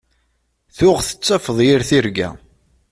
Tuɣ tettafeḍ yir tirga.